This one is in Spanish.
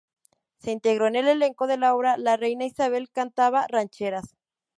Se integró en el elenco de la obra "La reina Isabel cantaba rancheras".